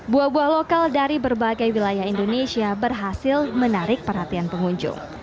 buah buah lokal dari berbagai wilayah indonesia berhasil menarik perhatian pengunjung